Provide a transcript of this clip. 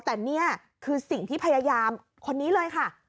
แต่นี่คือสิ่งที่พยายามคนนี้เลยค่ะ